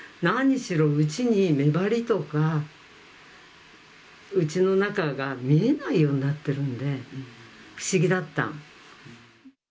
何しろ、うちに目張りとか、うちの中が見えないようになってるんで、不思議だった。